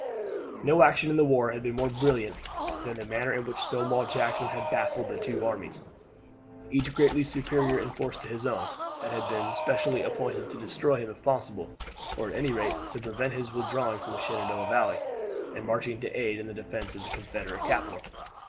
No action in the war had been more brilliant than the manner in which Stonewall Jackson had baffled the two armies each greatly superior in force to his own that had been specially appointed to destroy him if possible, or at any rate to prevent his withdrawing from the Shenandoah Valley and marching to aid in the defense of the Confederate capital.